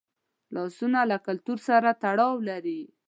لاسونه له کلتور سره تړاو لري